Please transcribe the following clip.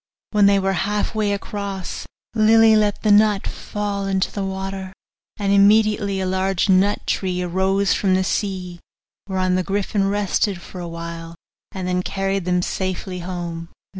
When they were half way across Lily let the nut fall into the water, and immediately a large nut tree arose from the sea, whereon the griffin rested for a while, and then carried them safely home.